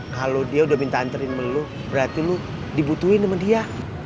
kalo dia udah minta anterin sama lo berarti lo dibutuhin sama dia